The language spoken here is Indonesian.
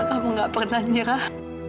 kamu enggak pernah nyerah